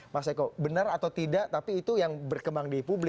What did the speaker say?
mas eko benar atau tidak tapi itu yang berkembang di publik